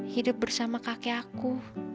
hidup bersama kakekku